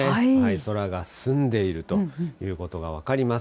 空が澄んでいるということが分かります。